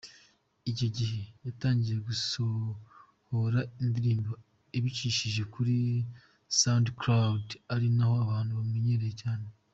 Icyo gihe yatangiye gusohora indirimbo abicishije kuri SoundCloud ari naho abantu bamumenyeye cyane.